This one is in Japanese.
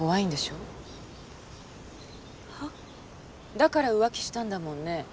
だから浮気したんだもんね？